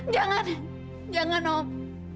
jangan jangan om